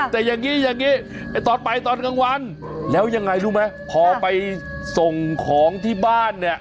แต่อย่างนี้อย่างนี้ตอนไปตอนกลางวันแล้วยังไงรู้ไหมพอไปส่งของที่บ้านเนี่ย